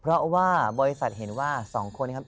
เพราะว่าบริษัทเห็นว่า๒คนนะครับ